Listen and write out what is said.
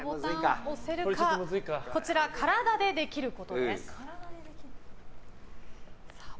こちら、体でできることです。